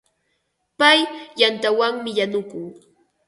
Pay yantawanmi yanukun.